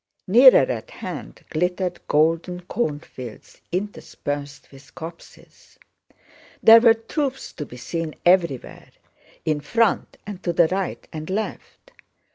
Nearer at hand glittered golden cornfields interspersed with copses. There were troops to be seen everywhere, in front and to the right and left.